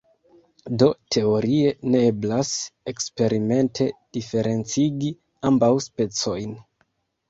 Do teorie ne eblas eksperimente diferencigi ambaŭ specojn.